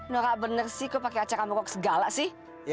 nora bener sih kok pakai acara mogok segala sih